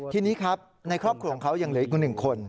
ทีนี้ครับในครอบครัวของเขายังเหลืออีก๑คน